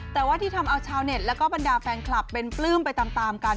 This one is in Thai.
แต่ว่าที่ทำเอาชาวเน็ตแล้วก็บรรดาแฟนคลับเป็นปลื้มไปตามกัน